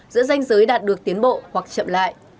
giữa danh giới đạt được tiến bộ hoặc chậm lại